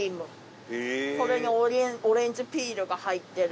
それにオレンジピールが入ってる。